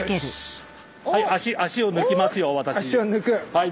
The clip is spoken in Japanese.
はい。